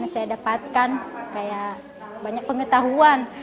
saya dapatkan banyak pengetahuan